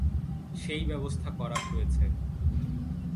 সেই ব্যবস্থা করা হয়েছে।